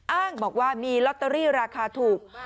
อ้างบอกว่ามีลอตเตอรี่ราคาถูก